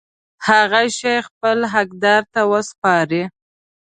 هغه شی خپل حقدار ته وسپاري.